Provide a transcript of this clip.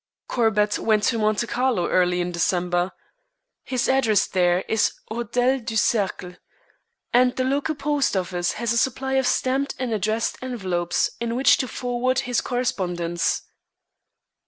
Corbett went to Monte Carlo early in December. His address there is 'Hotel du Cercle,' and the local post office has a supply of stamped and addressed envelopes in which to forward his correspondence.